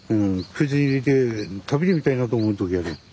口に入れて食べてみたいなと思う時があるよ。